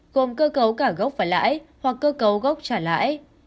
gồm cơ cấu cả gốc và lãi hoặc cơ cấu gốc trả lãi